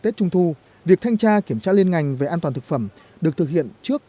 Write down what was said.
trong thời gian tới việc thanh tra kiểm tra liên ngành về an toàn thực phẩm được thực hiện trước